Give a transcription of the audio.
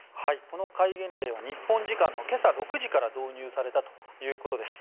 この戒厳令は日本時間の今朝６時から導入されたということです。